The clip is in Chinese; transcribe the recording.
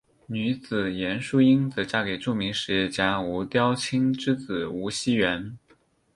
女子严淑英则嫁给著名实业家吴调卿之子吴熙元。